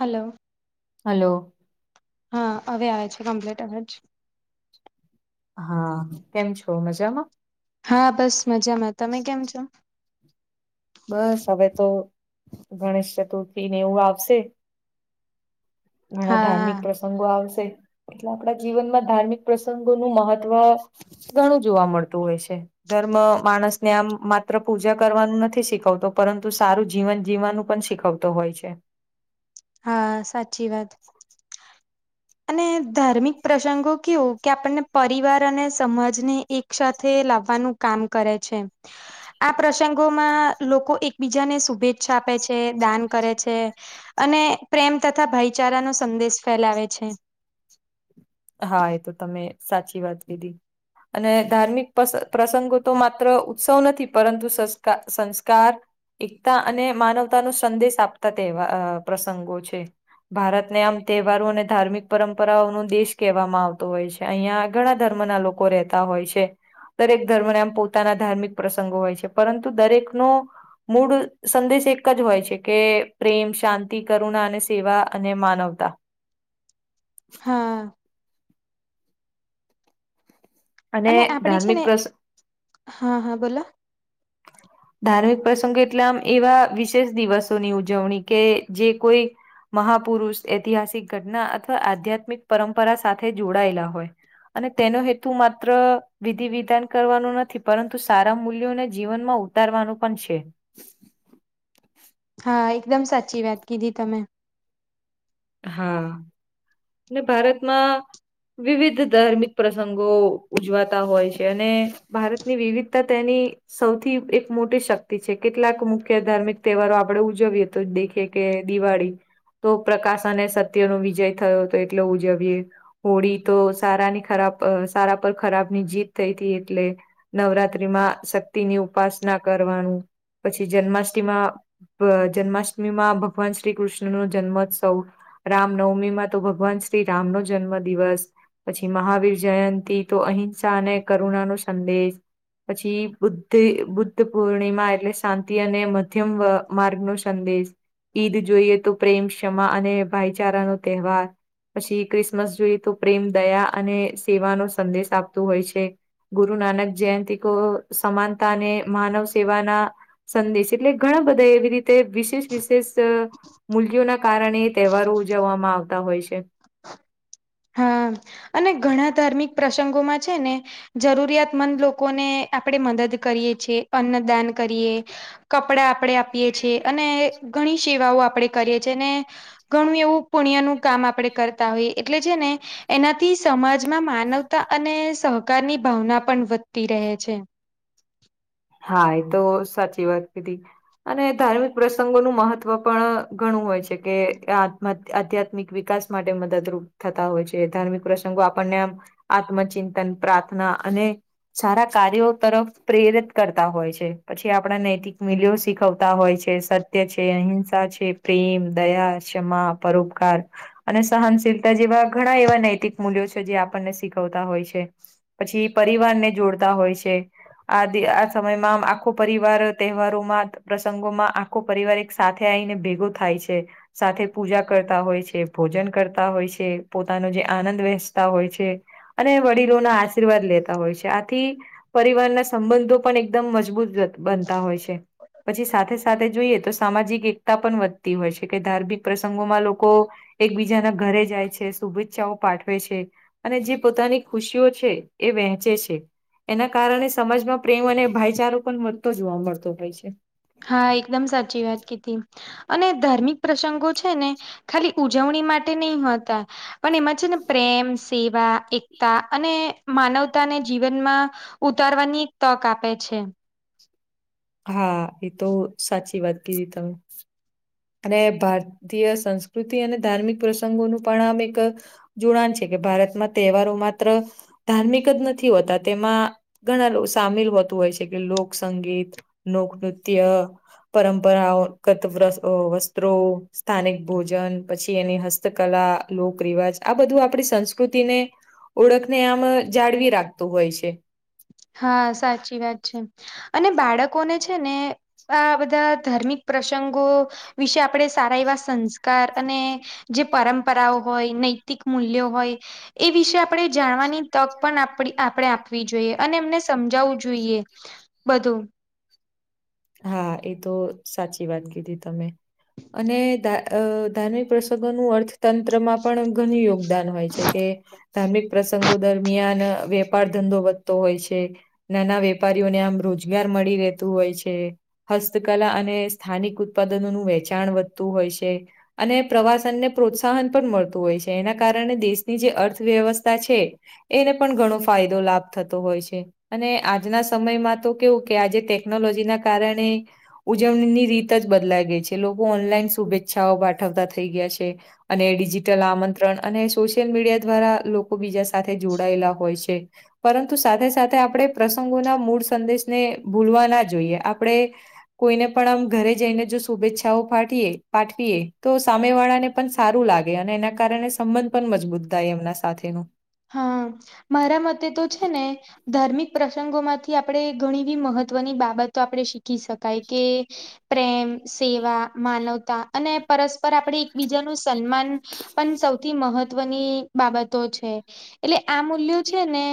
હાલો hello. હા હવે આવે છે કમ્પ્લીટ હવે જ. હા કેમ છો મજામાં! હા બસ મજામાં તમે કેમ છો? બસ હવે તો ગણેશ ચતુર્થી ને એવું આવશે ઘણા ધાર્મિક હા પ્ર પ્રંગો આવશે એટલે આપણા જીવનમાં ધાર્મિક પ્રસંગોનું મહત્વ ઘણું જોવા મળતું હોય છે. ધર્મ માણસને આમ માત્ર પૂજા કરવાનું નથી શીખવતો પરંતુ સારું જીવન જીવવાનું પણ શીખવતું તો હોય છે. હા સાચી વાત. અને ધાર્મિક પ્રસંગો કેવું કે આપણને પરિવાર અને સમાજને એક સાથે લાવવાનું કામ કરે છે. આ પ્રસંગોમાં લોકો એકબીજાને શુભેચ્છા આપે છે દાન કરે છે. અને પ્રેમ તથા ભાઈચારા નો સંદેશ ફેલાવે છે‌ હા એ તો તમે સાચી વાત કીધી. અને ધાર્મિક પ્રસંગો તો માત્ર ઉત્સવ નથી પરંતુ સંસ્કાર એકતા અને માનવતાનો સંદેશ આપતા તેવા પ્રસંગો છે. ભારતને આમ તહેવારો અને ધાર્મિક પરંપરાઓ નો દેશ કહેવામાં આવતું હોય છે અહિયાં ઘણા ધર્મ ના લોકો રહેતા હોય છે. દરેક ધર્મને એમ પોતાના ધાર્મિક પ્રસંગો હોય છે પરંતુ દરેકનો મૂળ સંદેશ એક જ હોય છે કે પ્રેમ, શાંતિ, કરુણા અને સેવા અને માનવતા. હા. અને આપણી છે ધાર્મિક ને પ્રસંગ હા હા બોલો. ધાર્મિક પ્રસંગો એટલે આમ એવા વિશેષ દિવસોની ઉજવણી કે જે કોઈ મહાપુરુષ ઐતિહાસિક ઘટના અથવા આધ્યાત્મિક પરંપરા સાથે જોડાયેલા હોય‌. અને તેનો હેતુ માત્ર વિધિ વિધાન કરવાનો નથી પરંતુ સારા મૂલ્યોને જીવનમાં ઉતારવાનું પણ છે. હા એકદમ સાચી વાત કીધી તમે. હા. અને ભારતમાં વિવિધ ધાર્મિક પ્રસંગો ઉજવાતા હોય છે અને ભારતની વિવિધતા તેની સૌથી એક મોટી શક્તિ છે કેટલાક મુખ્ય ધાર્મિક તહેવારો આપડે ઉજવીએ તો દેખીએ કે દિવાળી તો પ્રકાશ અને સત્ય નો વિજય થયો તો એટલો ઉજવીએ. હોળી તો સારાની ખરાબ સારા પર ખરાબની જીત થઈ હતી એટલે નવરાત્રી માં શક્તિની ઉપાસના કરવાનું પછી જન્માષ્ટમીમાં જન્માષ્ટમીમાં ભગવાન શ્રી કૃષ્ણ ન જન્મોત્સવ રામનવમીમાં તો ભગવાન શ્રી રામ નો જન્મ દિવસ. પછી મહાવીર જયંતિ તો અહિંસા અને કરુણા નો સંદેશ પછી બુદ્ધી બુદ્ધ પૂર્ણિમા એટલે શાંતિ અને મધ્યમ અ માર્ગ નો સંદેશ ઈદ જોઈએ તો પ્રેમ ક્ષમા અને ભાઈચારા નો તહેવાર પછી ક્રિસમસ જોઈએ તો પ્રેમ દયા અને સેવાનો સંદેશ આપતો હોય છે. ગુરુ નાનક જયંતી કો સમાનતાને માનવ સેવાના સંદેશ એટલે ઘણા બધા એવી રીતે વિશેષ વિશેષ અ મૂલ્યોના કારણે તહેવારો ઉજવવામાં આવતા હોય છે. હા અને ઘણા ધાર્મિક પ્રસંગોમાં છે ને જરૂરિયાત મંદ લોકોને આપડે મદદ કરીએ છીએ, અન્નદાન કરીએ. કપડા આપડે આપીએ છીએ અને ઘણી સેવાઓ આપડે કરીએ છી અને ઘણું એવું પુણ્ય નું કામ આપડે કરતા હોઈએ એટલે છે ને એનાથી સમાજમાં માનવતા અને સહકારની ભાવના પણ વધતી રહે છે. હા એ તો સાચી વાત કીધી. અને ધાર્મિક પ્રસંગોનું મહત્વ પણ ઘણું હોય છે કે આત્ આધ્યાત્મિક વિકાસ માટે મદદરૂપ થતા હોય છે ધાર્મિક પ્રસંગો આપણને આમ આત્મચિંતન પ્રાર્થના અને સારા કાર્યો તરફ પ્રેરિત કરતા હોય છે પછી આપડા નૈતિક મૂલ્યો શીખવતા હોય છે સત્ય છે અહિંસા છે પ્રેમ દયા ક્ષમા પરોપકાર અને સહનશીલ તા જેવા ઘણા એવા નૈતિક મલ્યો છે જે આપણને શીખ વતા હોય છે પછી પરિવારને જોડતા હોય છે આદી આ સમયમાં આમ આખો પરિવાર તહેવારોમાં પ્રસંગોમાં આ ખો પરિવાર એક સાથે આઈને ભેગો થાય છે. સાથે પૂજા કરતા હોય છે ભોજન કરતા હોય છે પોતાનો જે આનંદ વહેચતા હોય છે. અને વડીલોના આશીર્વાદ લેતા હોય છે આથી પરિવારના સંબંધો પણ એકદમ મજબૂત બનતા હોય છે. પછી સાથે સાથે જોઈએ તો સામાજિક એકતા પણ વધતી હોય છે કે ધાર્મિક પ્રસંગોમાં લોકો એકબીજાના ઘરે જાય છે, શુભેચ્છાઓ પાઠવે છે. અને જે પોતાની ખુશીઓ છે એ વહેંચે છે એના કારણે સમાજમાં પ્રેમ અને ભાઈચારો પણ વધતો જોવા મળતો હોય છે. હા એકદમ સાચી વાત કીધી. અને ધાર્મિક પ્રસંગો છે ને ખાલી ઉજવણી માટે નઈ હોતા પણ એમાં છે ને પ્રેમ સેવા એકતા અને માનવતા ને જીવનમાં ઉતારવાની એક તક આપે છે. હા એ તો સાચી વાત કીધી તમે. અને ભારતીય સંસ્કૃતિ અને ધાર્મિક પ્રસંગોનું પણ આમ એક જોડાન છે કે ભારતમાં તહેવારો માત્ર ધાર્મિક જ નથી હોતા તેમાં ઘણા લો સામેલ હોતું હોય છે કે લોકસંગીત લોકનૃત્ય પરંપરાઓ કત [unintelligible] અ વસ્ત્રો સ્થાનિક ભોજન પછી એની હસ્તકલા લોકરિવાજ આ બધું આપડી સંસ્કૃતિને ઓળખને આમ જાળવી રાખતું હોય છે. હા, સાચી વાત છે. અને બાળકોને છે ને આ બધા ધાર્મિક પ્રસંગો વિશે આપડે સારા એવા સંસ્કાર અને જે પરંપરાઓ હોય નૈતિક મૂલ્યો હોય એ વિશે આપણે જાણવાની તક પણ આપડી આપડે આપવી જોઈએ. અને એમને સમજાવું જોઈએ બધું હા એ તો સાચી વાત કીધી તમે. અને ધાન અ ધાર્મિક પ્રસંગોનું અર્થતંત્રમાં પણ ઘન યોગ દાન હોય છે કે ધાર્મિક પ્રસંગો દરમિયાન વ્ય પાર ધંધો વધતો હોય છે, નાના વેપારીઓને આમ રોજગાર મળી રહેતું હોય છે. એ હસ્તકલા અને સ્થાનિક ઉત્પાદનોનું વેહચાણ વધતું હોય છે. અને પ્રવાસનને પ્રોત્સાહન પણ મળતું હોય છે એના કારણે દેશની જે અર્થવ્યવસ્થા છે એને પણ ઘણો ફાયદો લાભ થતો હોય છે. અને આજના સમયમાં તો કેવું કે આજે ટેકનોલોજી ના કારણે ઉજવણીની રીત જ બદલાઈ ગઈ છે લોકો ઓનલાઈન શુભેચ્છાઓ પાઠવતા થઈ ગયા છે. અને ડિજિટલ આમંત્રણ અને સોશિયલ મીડિયા દ્વારા લોકો બીજા સાથે જોડાયેલા હોય છે. પરંતુ સાથે સાથે આપણે પ્રસંગોના મૂળ સંદેશને ભૂલવા ના જોઈએ અપ આપણેે કોઈને પણ આમ ઘરે જઈને જો શુભેચ્છાઓ પાઠવીએ પાઠવીએ તો સામે વાળાને પણ સારું લાગે અને એના કારણે સંબંધ પણ મજબૂત થાય એમના સાથેનું. હા મારા મતે તો છે ને ધાર્મિક પ્રસંગોમાંથી આપણે ઘણીવી મહત્વની બાબતો આપણે શીખી શકાય કે પ્રેમ સેવા માનવતા અને પરસ્પર આપણે એકબીજાનું સન્માન પણ સૌથી મહત્વની બાબતો છે. એટલે આ મૂલ્યો છે ને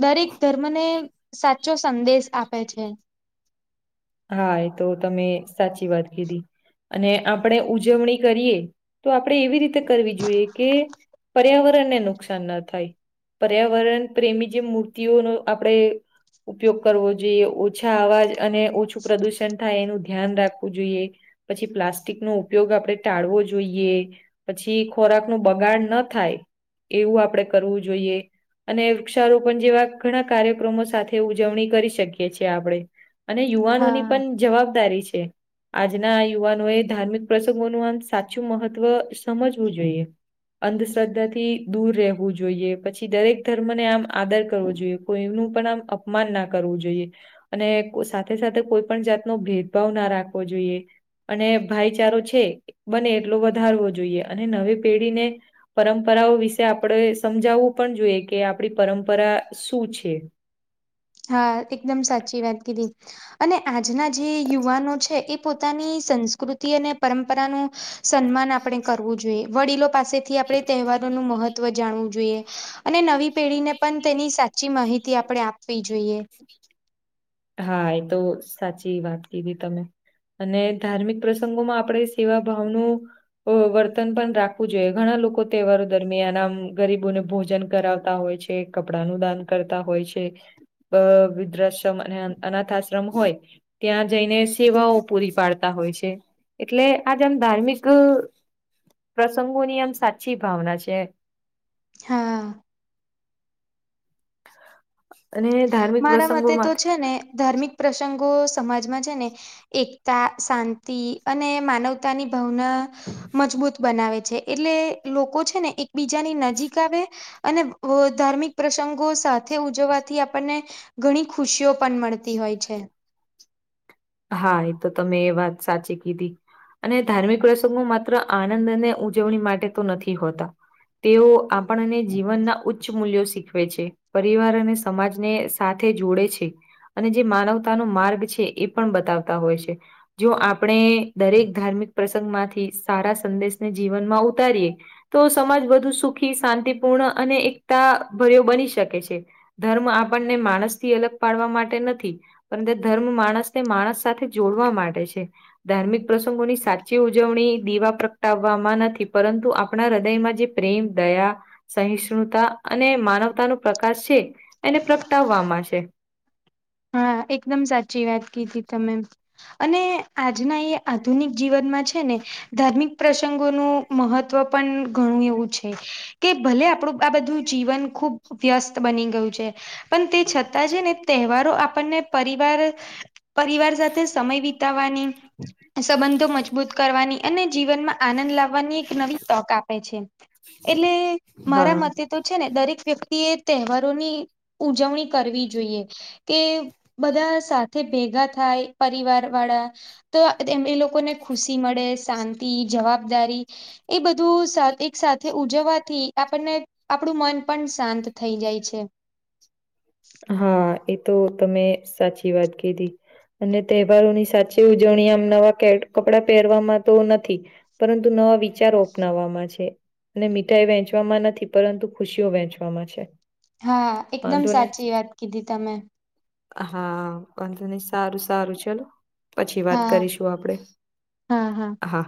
દરેક ધર્મને સાચો સંદેશ આપે છે. હા એ તો તમે સાચી વાત કીધી અને આપણે ઉજવણી કરીએ તો આપણે એવી રીતે કરવી જોઈએ કે પર્યાવરણને નુકસાન ના થાય. પર્યાવરણ પ્રેમી જે મૂર્તિઓનો આપણે ઉપયોગ કરવો જોઈએ ઓછા અવાજ અને ઓછું પ્રદુષણ થાય એનું ધ્યાન રાખવું જોઈએ પછી પ્લાસ્ટિક નો ઉપયોગ આપણે ટાળવો જોઈએ. પછી ખોરાક નું બગાડ ન થાય એવું આપણેે કરવું જોઈએ. અને વૃક્ષારોપણ જેવા ઘણા કાર્યક્રમો સાથે ઉજવણી કરી શકીએ છીએ આપણે. યુવાનો ની હા પણ જવાબદારી છે. આજના યુવાનોએ ધાર્મિક પ્રસંગોનું આમ સાચું મહત્વ સમજવું જોઈએ. અંધશ્રદ્ધા થી દૂર રહેવું જોઈએ પછી દરેક ધર્મને આમ આદર કરવો જોઈએ. કોઈ નું પણ આમ અપમાન ના કરવું જોઈએ અને સા સાથે સાથે કોઈ પણ જાતનો ભેદભાવ ના રાખવો જોઈએ. અને ભાઈચારો છે બને એટલો વધારવો જોઈએ અને નવી પેઢીને પરંપરાઓ વિશે આપણે સમજાવવું પણ જોઈએ કે આપણી પરંપરા શું છે. હા એકદમ સાચી વાત કીધી અને આજના જે યુવાનો છે એ પોતાની સંસ્કૃતિ અને પરંપરાનું સન્માન આપણે કરવું જોઈએ વડીલો પાસેથી આપણે તહેવારોનું મહત્ જાણવું જોઈએ અને નવી પેઢીને પણ તેની સાચી માહિતી આપણે આપવી જોઈએ. હા એ તો સાચી વાત કીધી તમે. અને ધાર્મિક પ્રસંગોમાં આપણે સેવા ભાવનું વો વર્તન પણ રાખવું જોઈએ ઘણા લોકો તહેવારો દરમિયાન આમ ગરીબોને ભોજન કરાવતા હોય છે. તે કપડા નું દાન કરતા હોય છે બા [unintelligible] દ્ધ અને અનાથ આશ્રમ હોય ત્યાં જઈને સેવાઓ પૂરી પાડતા હોય છે. એટલે આજ આમ ધાર્મિક પ્રસંગોની આમ સાચી ભાવના છે. હા. અને ધાર્મિક મારા મતે પ્રસંગોમાં તો છે ને ધાર્મિક પ્રસંગો સમાજમાં છે ને એકતા શાંતિ અને માનવતાની ભાવના મજબૂત બનાવે છે. એટલે લોકો છે ને એક બીજાની નજીક આવે અને ધાર્મિક પ્રસંગો સાથે ઉજવવાથી અપ બી આપણને ઘણી ખુશીઓ પણ મળતી હોય છે. હા એ તો તમે એ વાત સાચી કીધી. અને ધાર્મિક પ્રસંગો માત્ર આનંદ અને ઉજવણી માટે તો નથી હોતા. તેઓ આપણને જીવનના ઉચ્ચ મૂલ્યો શીખ શીખવે છે પરિવાર અને સમાજને સાથે જોડે છે. અને જે માનવતાનો માર્ગ છે એ પણ બતાવતા હોય છે. જો આપણે દરેક ધાર્મિક પ્રસંગ માંથી સારા સંદેશને જીવનમાં ઉતારીએ તો સમાજ બધુ સુખી શાંતિપૂર્ણ અને એકતા ભર્યો બની શકે છે. ધર્મ આપણને માણસ થી અલગ પાડવા માટે નથી પર ધર્મ માણસ તે માણસ સાથે જોડવા માટે છે. ધાર્મિક પ્રસંગોની સાચી ઉજવણી દીવા પ્રગટાવવામાં નથી પરંતુ આપણા હૃદયમાં જે પ્રેમ દયા સહિષ્ણુતા અને માનવતા ન પ્રકાશ છે એને પ્રગટાવવામાં છે. હા એકદમ સાચી વાત કીઘી તમે. અને આજના એ આધુનિક જીવનમાં છે ને. ધાર્મિક પ્રસંગોનું મહત્વ પણ ઘણું એવું છે. કે ભલે આપણું આ બધું જીવન ખુબ વ્યસ્ત બની ગયું છે. પણ તે છતાં છે ને તહેવારો આપણને પરિવાર પરિવાર સાથે સમય વિત. વિતાવાની. સંબંધો મજબૂત કરવાની અને જીવનમાં આનંદ લાવવાની એક નવી તક આપે છે. એટલે મારા હા. મતે. તો છે ને દરેક વ્યક્તિ એ તહેવારોની ઉજવણી કરવી જોઈએ. કે બધા સાથે ભેગા થાય પરિવાર વાળા. તો એ એ લોકોને ખુશી મળે શાંતિ જવાબદારી. એ બધું એક સાથે ઉજવવાથી આપણને. આપણું મન પણ શાંત થઈ જાય છે. હા એ તો તમે સાચી વાત કીધી. અને તહેવારોની સાચી ઉજવણી આમ નવા કેટ કપડા પહેરવામાં તો નથી. પરંતુ નવા વિચારો અપનાવવામાં છે. અને મીઠાઈ વેંચવામાં નથી પરંતુ ખુશીઓ વેંચવામાં છે. હા એકદમ વાંધો નહી. સાચી વાત કીધી તમે. હા વાંધ નહી સારું સારું ચલો. પછી વાત હા કરીશું આપડે હા.